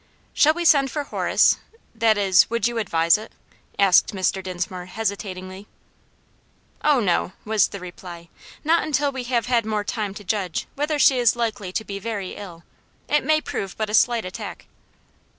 "Shall we send for Horace? that is, would you advise it?" asked Mr. Dinsmore hesitatingly. "Oh, no," was the reply; "not until we have had more time to judge whether she is likely to be very ill; it may prove but a slight attack."